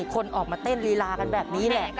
ทุกข้าทุกข้าทุกข้าทุกข้า